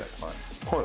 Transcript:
はい。